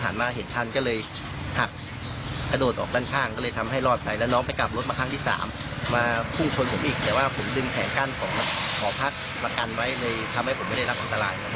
ระกันไว้ในทำให้ผมไม่ได้รับอัตรา